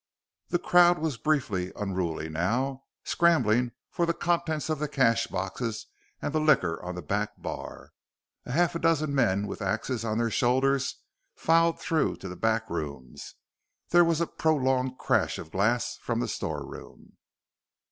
The crowd was briefly unruly now, scrambling for the contents of the cash boxes and the liquor on the back bar. A half dozen men with axes on their shoulders filed through to the back rooms. There was a prolonged crash of glass from the storeroom.